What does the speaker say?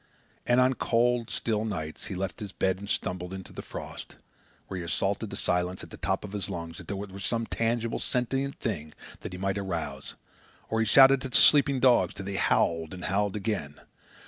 And on still, cold nights he left his bed and stumbled into the frost, where he assaulted the silence at the top of his lungs, as though it were some tangible, sentiment thing that he might arouse; or he shouted at the sleeping dogs till they howled and howled again.